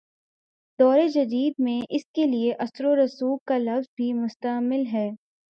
دور جدید میں اس کے لیے" اثرورسوخ کا لفظ بھی مستعمل ہے۔